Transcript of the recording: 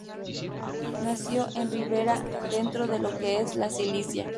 Nació en Ribera, dentro de lo que es la Sicilia.